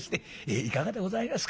いかがでございますか？